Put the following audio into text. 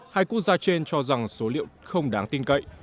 hai quốc gia trên cho rằng số liệu không đáng tin cậy